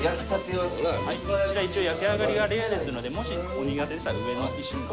こちら一応焼き上がりがレアですのでもしお苦手でしたら上の石で。